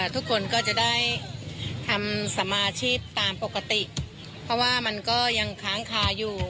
ทุกคนก็จะได้ทำสมาชีพตามปกติเพราะว่ามันก็ยังค้างคาอยู่